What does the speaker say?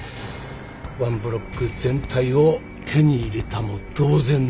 ワンブロック全体を手に入れたも同然なんだよ。